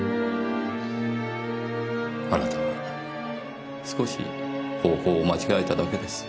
あなたは少し方法を間違えただけです。